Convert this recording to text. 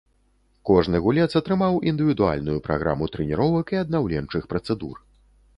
Кожны гулец атрымаў індывідуальную праграму трэніровак і аднаўленчых працэдур.